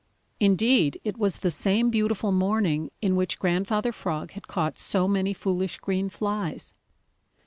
Indeed, it was the same beautiful morning in which Grandfather Frog had caught so many foolish green flies.